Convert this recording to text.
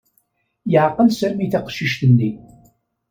Yeɛqel Sami taqcict-nni.